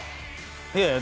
いやいや。